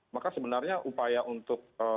maka sebenarnya upaya untuk